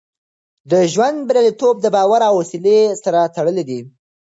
د ژوند بریالیتوب د باور او حوصله سره تړلی دی.